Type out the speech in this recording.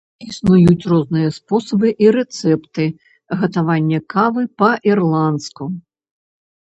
Існуюць розныя спосабы і рэцэпты гатавання кавы па-ірландску.